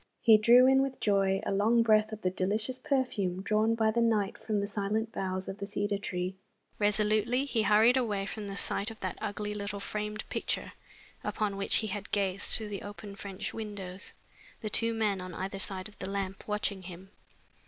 He drew in with joy a long breath of the delicious perfume drawn by the night from the silent boughs of the cedar tree. Resolutely he hurried away from the sight of that ugly little framed picture upon which he had gazed through the open French windows the two men on either side of the lamp, watching him.